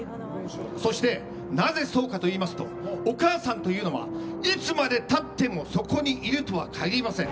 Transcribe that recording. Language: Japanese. そして、なぜそうかといいますとお母さんというのはいつまで経ってもそこにいるとは限りません。